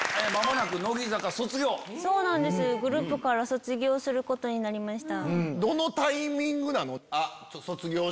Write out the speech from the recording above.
グループから卒業することになりました。